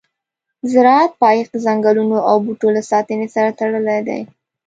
د زراعت پایښت د ځنګلونو او بوټو له ساتنې سره تړلی دی.